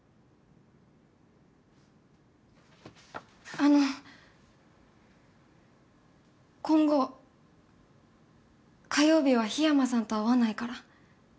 あの今後火曜日は緋山さんと会わないから。